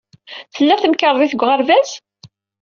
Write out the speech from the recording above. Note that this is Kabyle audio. Tella temkarḍit deg uɣerbaz?